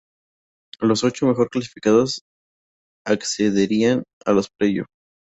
Los ocho mejor clasificados accederían a los playoffs.